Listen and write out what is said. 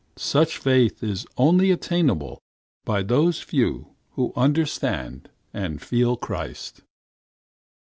Such faith is only attainable by those few who understand and feel Christ."